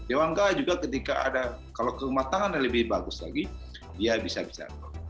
dewan ga juga ketika ada kalau kematangan yang lebih bagus lagi dia bisa mencetak gol